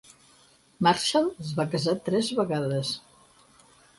Marshall es va casar tres vegades.